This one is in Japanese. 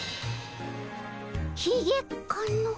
ひげかの？